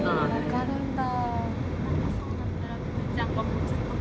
分かるんだ。